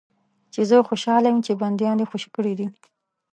چې زه خوشاله یم چې بندیان دې خوشي کړي دي.